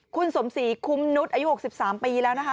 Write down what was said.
คุณสมศรีกุมนุฏอายุหกสิบสามปีแล้วนะคะ